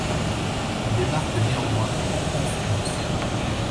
Il débarque néanmoins en en France.